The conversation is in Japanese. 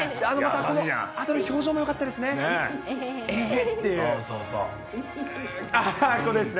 このあとの表情もよかったですね。